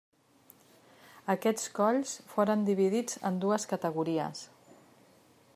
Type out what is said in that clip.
Aquests colls foren dividits en dues categories.